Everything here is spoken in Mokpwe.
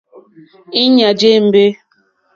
Íɲá jé ěmbé.